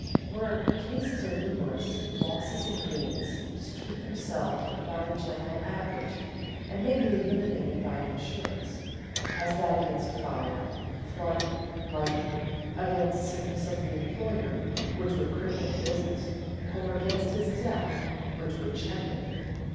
Where cases are numerous, losses and gains distribute themselves about a general average, and may be eliminated by insurance, as that against fire, flood, lightning, against sickness of the employer, which would cripple the business, or against his death, which would check it.